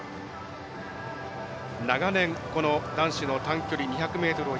長年、この男子の短距離２００ｍを